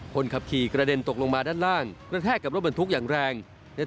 คนขับขี่กระเด็นตกลงมาด้านล่าง